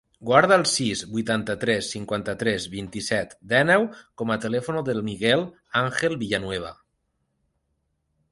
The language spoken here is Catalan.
Guarda el sis, vuitanta-tres, cinquanta-tres, vint-i-set, dinou com a telèfon del Miguel àngel Villanueva.